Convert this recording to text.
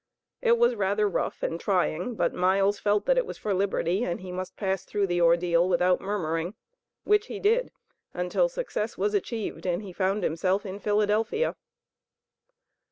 It was rather rough and trying, but Miles felt that it was for liberty, and he must pass through the ordeal without murmuring, which he did, until success was achieved and he found himself in Philadelphia.